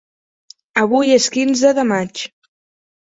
Avui és quinze de maig.